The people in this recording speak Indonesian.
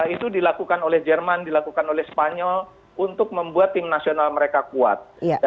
itu dilakukan oleh jerman dilakukan oleh spanyol untuk membuat tim nasional mereka kuat